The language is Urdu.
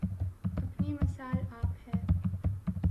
اپنی مثال آپ ہے